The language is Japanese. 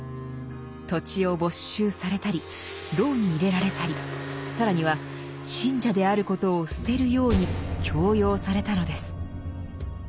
土地を没収されたり牢に入れられたり更には信者であることを捨てるように強要されたのです。